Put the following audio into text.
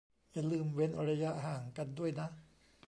อย่าลืมเว้นระยะห่างกันด้วยนะ